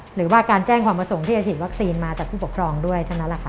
หรือว่าการแจ้งความประสงค์ที่จะฉีดวัคซีนมาจากผู้ปกครองด้วย